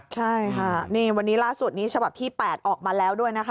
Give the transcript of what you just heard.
ใช่ค่ะนี่วันนี้ล่าสุดนี้ฉบับที่๘ออกมาแล้วด้วยนะคะ